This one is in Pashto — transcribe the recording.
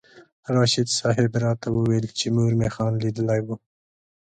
راشد صاحب راته وویل چې مور مې خان لیدلی و.